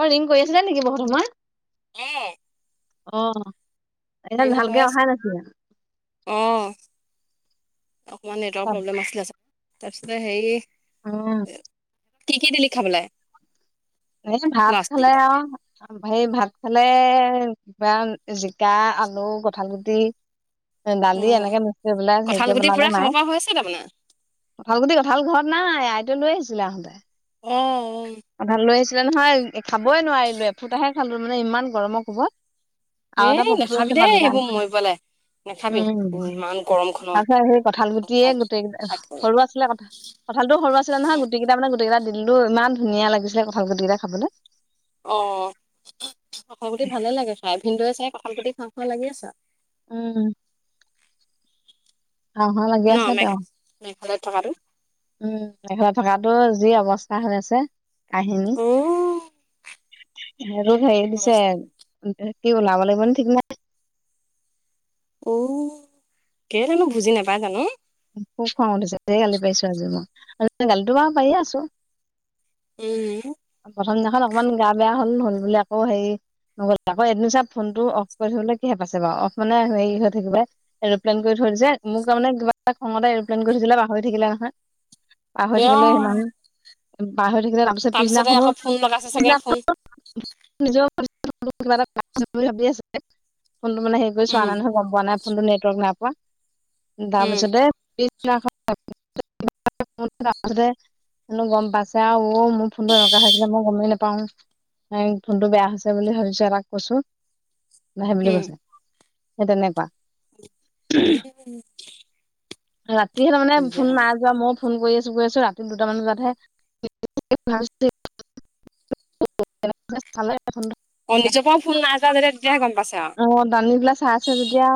অ ring কৰি আছিলা নেকি বহু তোমাৰ? এ! অহ, এদাল ভালকে অহাই নাছিলে? অঁ, অকণমান নেটৱৰ্কৰ প্ৰব্লেম আছিলে, তাৰপিছতে হেৰি উম। কি কি দিলি খাবলৈ? এই ভাত খালে আৰু সেই ভাত খালে কিমান জিকা, আলু, কঠাল গুটি অ দালি এনেকে মিস্ক কৰিপেলে কঁঠাল হেৰিকে গুটি বনালে পুৰা খাব মায়ে। পৰা হৈছে তাৰমানে কঁঠাল গুটি কঁঠাল ঘৰত নাই আইতাই লৈ আহিছিলে আহোঁতে। অ অ কঠাল লৈ আহিছিলে নহয় খাবই নোৱাৰিলো এফুটাহে খালো মানে ইমান গৰমৰ কোবত। আৰু এটা এ ভক্তি নাখাবি আছে দেই বলিদান এইবোৰ মৰিবলে নাখাবি উম, ইমান গৰমখনত তাৰপিছত সেই কঁঠাল গুটিয়ে খাই গোটেই কেই থাকিব সৰু আছিলে কঁঠাল কঁঠালটো সৰু আছিলে নহয় গুটি কিতা মানে গোটেইকেইটা দিলো ইমান ধুনীয়া লাগিছিলে কঁঠাল গুটি কেইটা খাবলৈ। অ কঁঠাল গুটি ভালে লাগে খায়, ভিনদেউ চাগে কঁঠাল গুটি খাওঁ খাওঁ লাগি আছে। উম। খাওঁ খাওঁ লাগি আছে তেওঁ বাহিৰত থকা তো উম বাহিৰত থকাটো যি অৱস্থা হৈ আছে কাহিনী। অ [inaudible] সেইটো ধৰি ৰাখিছে সি ওলাব লাগিব নেকি ঠিক নাই? অ, কেলেইনো বুজি নাপায় জানো? খুব খং উঠিছে ধেৰ গালি পাৰিছো আজি মই, গালিটো বাৰু পাৰিয়ে আছো। এই সেইদিনাখন অকমান গা বেয়া হ'ল হ'ল বুলি আকৌ হেৰি ন আক এদিন চা ফোনটো অফ কৰি থবলৈ কিহে পাইছে বাৰু, অফ মানে হেৰি হৈ থাকিব এৰপ্লেইন কৰি থ যে মোক তাৰমানে কিবা খঙতে এৰপ্লেন কৰিছিলে পাহৰি থাকিলে নহয়, অ পাহৰি থাকিলে সিমান পাহৰি থাকি তাৰপিছত তাৰপিছতে পিছদিনাখনো আকৌ ফোন লগাইছে চাগে ফোন পিছদিনাখন নিজৰ [unintelligible] কিব বুলি ভাবি আছে ফোনটো মানে হেৰি কৰি চোৱা উম নাই নহয় গম পোৱা নাই, ফোনটো নেটৱৰ্ক নাইপোৱা তাৰ উম পিছ পিছতে পিছদিনাখন [inaudible] [inaudible] হিনো গম পাইছে আৰু মোৰ ফোনটো এনেকুৱা হৈ আছে মই গমেই নাপাও। ফোনটো বেয়া হৈছে বুলি ভাবিছো এতাক কৈছো। নাহে বুলি উম কৈছে সেই তেনেকুৱা উম ৰাতিহে ত মানে ফোন নাই যোৱা মই ফোন কৰি আছো গৈ আছো ৰাতি দুটামান বজাতহে অ নিজৰ পৰা [unintelligible] ফোন নাই যোৱা যেতিয়া তেতিয়াহে গম পাইছে আৰু আহ দানী বিলা চাই আছে যেতিয়া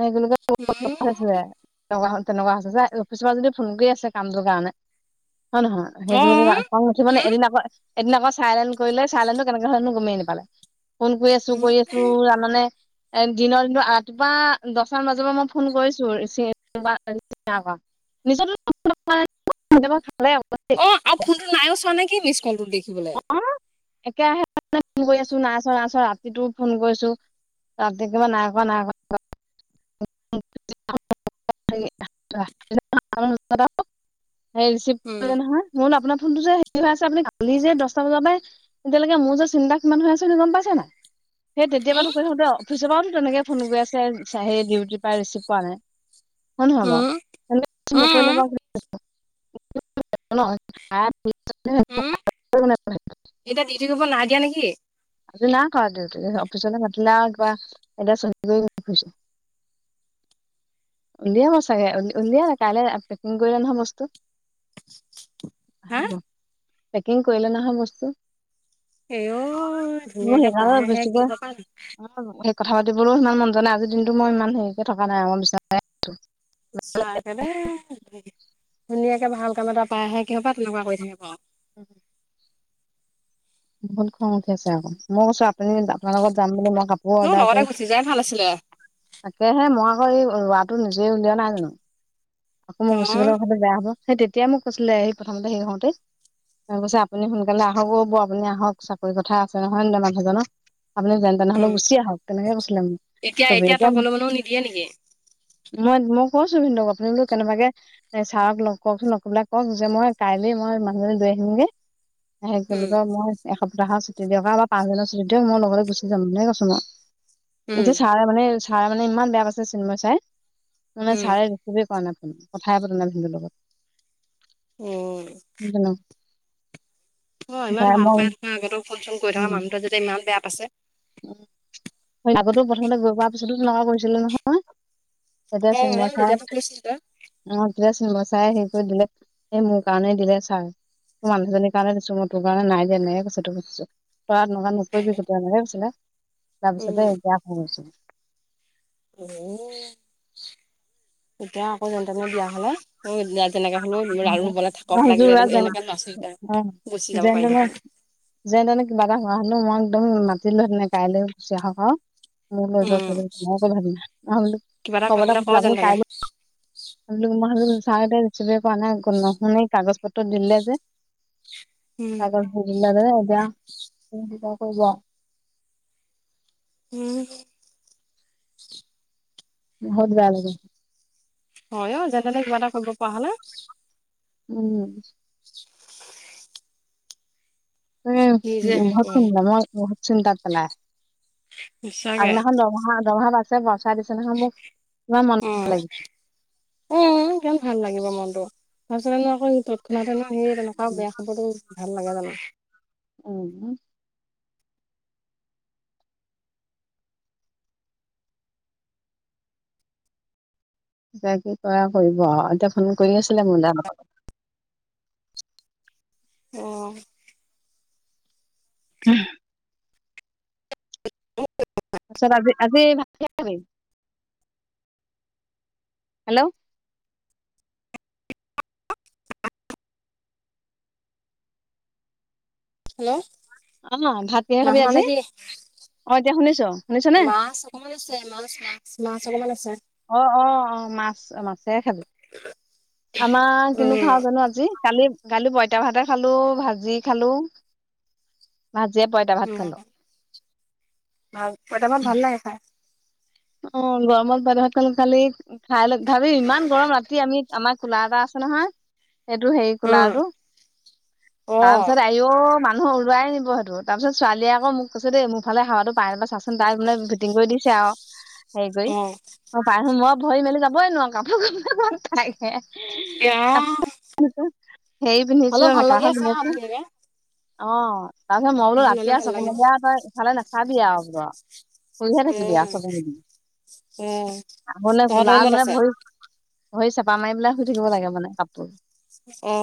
এই গছে উম। [unintelligible] এনেকুৱা হৈছে তেনেকুৱা হৈছে যে অফিচৰ পৰা যদি ফোন কৰি আছে কামটোৰ কাৰণে হয় নহয় অ সেইবোৰ খং নুউঠি মানে উম। এদিন আকৌ সেই দিনা আকৌ চাইলেণ্ট কৰি লৈ চাইলেণ্টো কেনেকৈ হয় নো গমে নাপালে ফোন কৰি আছো উম। কৰি আছো জানানে এ দিনৰ দিনটো ৰাতিপুৱা দহটা মান বজাৰ পৰা মই ফোন কৰিছো নিতিয় [unintelligible] অ আৰু ফোনটো নায়ো চোৱা নে কি মিচ কলটো দেখিবলৈ একে ৰাহে ফোন কৰি আছো নাই ছোৱা নাই ছোৱা ৰাতিটো ফোন কৰিছো ৰাতি একেবাৰে নাই কৰা নাই কৰা [unintelligible] হে ৰিচিভ উম কৰিলে নহয় মই বোলো আপোনাক ফোনতো যে হেৰি হৈ আছে আপুনি কালি যে দহটা বজাৰ পই তেতিয়ালৈকে মোৰ যে চিন্তা কিমান হৈ আছে সেই গম পাইছে নাই সেই তেতিয়াৰ উম পৰা কৈ থাকোতে অফিচৰ পৰাওতো তেনেকে ফোন কৰি আছে সেই ডিউটি পাই ৰিচিভ কৰা নাই হয় নহয় উম বাৰু সেনেকে ৰিচিভ উম। নকৰিলে বাৰু ন উম এতিয়া দিউতি কৰিব নাই দিয়া নেকি আজি নাই কৰা দিউতি অফিচলে মাতিলে কিবা এতিযা চহি উলিয়াব চাগে উলিয়ালে কালি পেকিং কৰিলে নহয় বস্তু হা হ পেকিং কৰিলে নহয় বস্তু এ অ মোৰ ধুনীয়াকে সেইকাৰণে পাই আহে বেছিকে কিহৰ কাৰ অ', সেই কথা পাতিবলৈও সিমান মন যোৱা নাই‌‌ আজিৰ দিনটো মই ইমান হেৰিকে থকা নাই আমাৰ বিছনাতে সঁচাকে দেই ধুনীয়াকে ভাল কাম এটা পাই আহে কিহৰ পৰা তেনেকুৱা কৰি থাকে বাৰ আৰু উম বহুত খং উঠি আছে আক মই কৈছো আপুনি আপোনাৰ লগত যাম বুলি মই কাপোৰ তোৰ অৰ্ডাৰ লগতে কৰি গুচি যোৱাই ভাল আছিলে অ তাকেহে মই আকৌ এই ৰ নিজে উলিওৱা নাই জানো আকৌ মই গুচি গ'লে কথাটো বেয়া হ'ব সেই তেতিয়া মোক কৈছিলে সেই প্ৰথমতে সেই হওতে তাৰ পিছে আপুনি সোনকালে আহক হ'ব আপুনি আহক চাকৰি কথা আছে নহয় ন দে মানুহজনক আপুনি যেন উম তেনেহ'লেও গুচি আহক তেনেকে কৈছিলে এতিয়া মোক চ এতিয়া তই গলে মানেও নিদিয়ে নেকি মই মই কছো ভিনন্দক আপুনি কেনেবাকে এ ছাৰক লগ কওকচোন লগকৰিপেলাই কওক যে মই কাইলে মই মানুহজন লৈ আহিমগে, সেইকিবুলি উম মই এসপ্তাহ দৰাৰ ছুটি দিয়ক আৱ পাঁচদিনৰ ছুটী দিয়ক মই লগতে গুচি যাম ন কৈছো মই উম এতিয়া ছাৰে মানে চাৰ মানে ইমান বেয়া পাইছে চিনমই চাই মানে উম ছাৰে ৰিচিভে কৰা নাই। কথাই পতাই নাই ভিনদেউ লগত উম জানো অ ইমান ভাল পাই থকা আগতে ফোন চোন কৰি থকা উম মানুহটোয়ে যদি ইমান বেয়া পাইছে, আগতেো প্ৰথমতে গৈ পোৱাৰ পিছতো তেনেকুৱা কৰিছিলে নহয় এতিয়া অ অ চিন খা তেতিয়াতো কৈছিলি তই অ দিলাচোন ব চাই সেই কৰি দিলে সেই মোৰ কাৰণে দিলে ছাৰ মোৰ মানুহজনীৰ কাৰণে দিছো মোৰ তোৰ কাৰণে নাই যে নাই তেনেকৈ কৈছে তইআও তেনেকুৱা নকৰিবি কেতিয়ালে গৈছিলে তাৰ অ পিছতে এতিয়া ফোন কৰিছিলে উ এতিয়া আকৌ যেনে তেনে বিয়া হল যেনেকা হ'লেও আৰু মই বনাই থাকক ভাবিছো লাগিলে এইয়া যেন এনেককা ল'ৰা ছোৱালী কেইটা অ', লৈ গুচি যাব যেন তেনে পাৰিহে যেন তেনে কিবা এটা হোৱা হেলো মই একদম মাতি দিলোঁ হেঁতেন কাইলৈ গুচি আহক মোৰ [inaudible] লজজো উম ভাবি নাই আহ কিবা এটা কব কৰিবলৈ ক খো যেন আপুনি কাই তেনে আোক [inaudible] ম চা িে কৰা নাই নশুনে কাগজ পত্ৰ দিলে যে উম কাগজ ফালিলে যে এতিয়া তিতা কৰিবা। উম! বহুত বেয়া লাগে। হয় অ যেন তেনে কিবা এটা কৰিব পৰা হ'লে। উম! ত কি যে হব ভৰত [inaudible] চন্তা মই ভ চিন্তা পেলাই। সঁচাকে আগদিনাখন দৰমহা দৰমহা পাইছে বচাই দিছে নহয় মোক। মাৰ মন উম ভ লাগি [inaudible] মনতো তাৰপিছতেনো আকৌ তৎক্ষণাতেনো সেই তেনেকুৱা বেয়া খবৰটো। ভাল লাগে জানো। উম! এতিয়া কি কৰে কৰিব আৰু এতিয়া ফোন কৰি আছিলে মোলে অলপ আগত, অ উ [inaudible] তাৰপিছত আজি আজি ভাত কিহে খালি? হেল্ল' [inaudible] হেল্ল' অ ভাত কিহে নাই খাবি শুনা আজি নেকি? অ এতিয়া শুনিছো শুনিছনে মাছ অকমান আছে, মাছ মাছ মাছ অকমান আছে। অ অ অ মাছ মাছে খালি। আমাৰ কিনো উম খাওঁ জানো আজি। কালি কালি পঁইতা ভাতে খালোঁ ভাজি খালোঁ। ভাজিয়ে পঁইতা ভাত উম খালোঁ। ভাল পঁইতা ভাত ভাল লাগে খাই। অ গৰমত পঁইতা ভাত খালি খাই ল ভাবি ইমান গৰম ৰাতি আমি আমাৰ কোলা এটা আ নহয় সেইটো হেৰি উম কুলাৰটো অ তাৰপিছত আও ম মানুহ ওলাই নিব সেইটো তাৰপিছ ছোৱালীয়ে আকৌ মোক কৈছে দেই মোৰ ফালে হাৱাটো পাই নে নাপাই চাচোন তাই মানে ভিটিং কৰি দিছে আৰু। হেৰি কৰি অ অ পাই নো মই ভৰি মেলি যাবই নোৱাৰো কাপোৰ কাকে এয়া ধ হেৰি হ'লেও পিন্ধিছো ভাল লাগি মেখেলাখন আছে আৰু পিন্ধিছোঁ। ধুনীয়াকে অ তাৰপিছত মই বোলো সেইটো ল'লে ৰাতি আ ভাল চকু লাগে মিয়া তই ইফালে নাচাবি আৰু বোল। শুইহে থাকিবি উম চকু মুদি উম আগলে তহঁতৰ কুলা আৰু ৰুমত মানে আছে ভৰি ভৰি চেপা মাৰিপেলাই শুই থাকিব লাগে মানে কাপোৰ। অ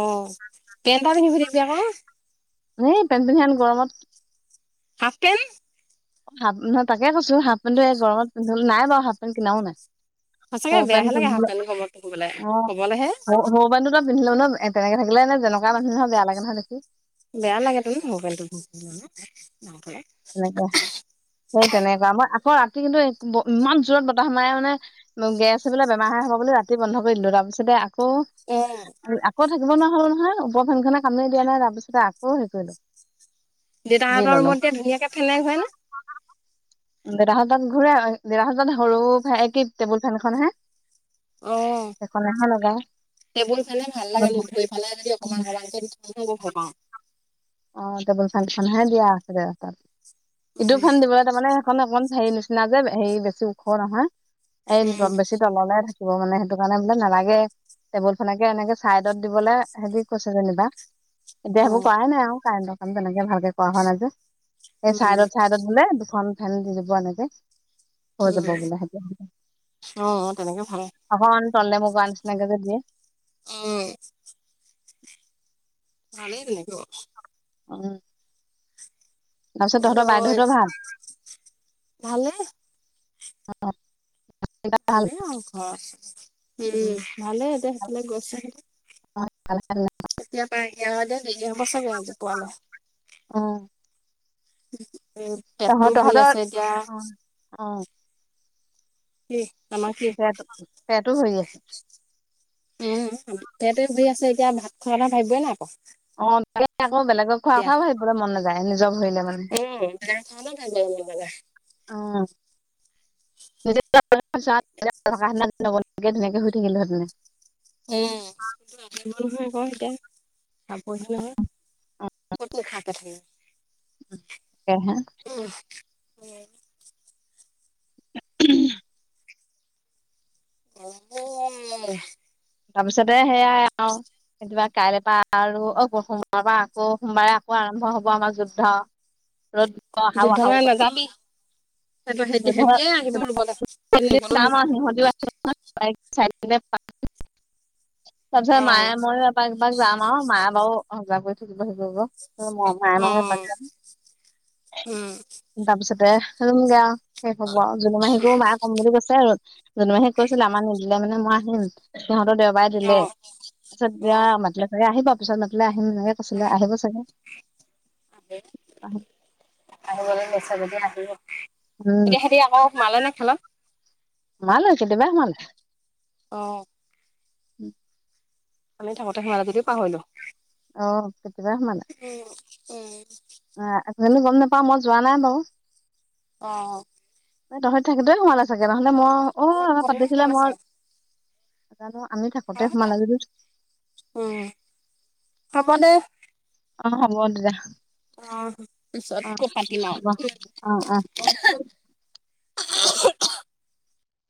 কেনটাবিনি শুই থাকিবি আকৌ। এ পেনট পিন্ধে নে ইমান গৰমত। Half pant. হাফ ন তাকে কৈছো হাফ পেণ্টটো গৰমত পিন্ধ নাই বাৰু হাফ পেণ্ট কিনাও নাই। সঁচাকে সৰু বেয়াহে পেন্ট লাগে পিন্ধো হাফ কলে, পেন্ট গৰমত পিন্ধিবলে অ কবলেহে সৰু পেণ্টটো পিন্ধিলেনো তেনেকে থাকিলে নো যেনেকুৱা মানুহ বেয়া লাগে নহয় দেখি। বেয়া লাগে তোন হাফ পেন্টটো পিন্ধি ফুৰিবলে। এনেকে সেই তেনেকুৱা মই আকৌ ৰাতি কিন্তু ইমান জোৰত বতাহ স মাৰে মানে গে আছে বোলে বেমাৰ হ। হব বুলি ৰাতি বন্ধ কৰি দিলো তাৰপিছতে আকৌ অ আকৌ। থাকিব নোৱাৰো নহয় উপফেনখনে কামেই নিদিয়ে নহয় নাই তাৰ পিছ আকৌ হেৰি কৰিলোঁ। দেউতাহঁতৰ ৰুমত এতিয়া ধুনীয়াকে ফেন লগাই শুৱে নে। দেতাহঁতত ঘূৰা দেউতাহঁত সৰু কি টেবুল ফেনখন হে। এখন এখন হে লগায়। টেবুল ফেনে ভাল লাগে মোক দুই ফালে যদি অকমান অকমান কৰে দি থৈ মই বৰ ভাল পাওঁ। অ টেবুল ফে খহে দিয়া আছে দে তাত ইটো উম ফেন দিবলৈ তাৰমানে সেইখন অকমান, হেৰি নিচিনা যে হেৰি বেছি ওখ নহয় এই উম বেছি তললে থাকে। ক মানে সেইটো কাৰণে বোলে নালাগে। টেবুল ফেনেকে এনেকে চাইডত দিবলৈ হেৰি কৈছে যেনিবা। এতিয়া সেইবোৰ উম কৰাই নাই আৰু কাৰেণ্টৰ কাম তেনেকে ভাল, কৰা হোৱা নাই যে স চাইডত উম চাইডত হলে দুখন ফেন দি দিব এনেকে। হৈ যাব উম বোলে স অ তেনেকে ভাল অ। চলে মোক আনিছিনাকে দিয়ে। আহ নালে নে গ। উ তাৰপিছত তহঁতৰ বাইদেউহঁতৰ ভাল ভালেই অ। ভালে আ ঘৰ আ উম ভালে এতি সেইফাল গছে। অল্াহ্ এতিয়াপ আহয়া দে ন বছাগেজ পোৱালা আহ এ টেটটো হৈ আছে এতিয়া। অ অ কি তম কি পেটো পেটো ভৰি আছে উম সিহঁতেৰি আছে এতিয়া ভাত খোৱা এথা ভাবিবই ন। ম বেলেগক খোৱা খোৱাও ভাবিবলৈ মন নাযায় নিজক ভৰিলে মানে। খা ন ভাল লগা অ কে হৈ থাকিলোহেতে। অ ক তাৰ প কতন খ প থে উ হা হয়। উম্ অ। তাৰপিছতে সেয়াই আৰু কেতিয়াবা কাইলেৰ পৰা আৰু সোমবাৰ পৰা আকৌ সোমবাৰে আকৌ আৰম্ভ হব আমাৰ যুদ্ধ। ত যুদ্ধ মান নাযামি সেইটো সেতি সেতিয়ে আহিব ৰুবলৈ। নাম সিহও চ তাৰপিছত অ মায়ে ময়ো এপাক এবাক যাম আৰু মায়ে বাৰু সজাগ কৰি থাকিব সিব। উম মাই অ মই উম। ত ৰুম গে আৰু শেষ হব জোনুমাহীকোও মাৰ কম বুলি কৈছে আৰু জোনমাহীক কৈছিলে আমাৰ নিদিলে মানে মই আহিম সিহঁতৰ দেওবাৰে অ দিলে পিছত অ দিয়া মাতিলে চ আহিব পিছত মাতিলে আহে। আহিম নে কৈছিলে আহিব চাগে আহ, আহিবলৈ লৈ যদি আহি এতিয়া উম সিহতি আকৌ সোমালে নে খেলত। মাল কে এতিয়া বেয়া মালে অ উম মানি থাকোতে সেমেলা যদিও পাহৰিলো। অ কেতিয়াবা সোমালে। উম। আহ আজালি গম নাপাও মই যোৱা নাই বাৰু। অ। ন তহঁত থাকেতয়ে সোমালে চাগে নহলে মই অ আমি আমাৰ থাকোতে পাতিছিলে সোমালে মই চাগে ন [unintelligible] আমি থাকোতে সোমালে যদি মানে অ হব দিয়া পিছত আকৌ পাতিম আহ আও আহ আহ [inaudible]